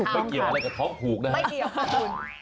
ไม่เกี่ยวอะไรกับท้องผูกนะฮะไม่เกี่ยวค่ะคุณ